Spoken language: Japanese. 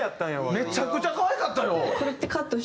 めちゃくちゃ可愛かったよ。